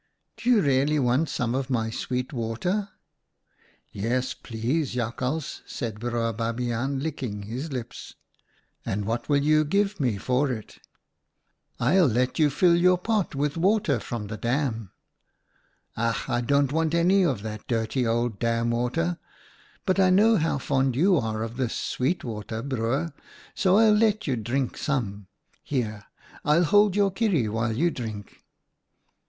' Do you really want some of my sweet water ?'"* Yes, please, Jakhals,' said Broer Babiaan, licking his lips. "' And what will you give me for it ?'■■' I'll let you fill your pot with water from the dam.' "' Ach ! I don't want any of that dirty old dam water, but I know how fond you are of this sweet water, Broer, so I'll let you drink THE ANIMALS' DAM 97 some. Here, I'll hold your kierie while you drink.'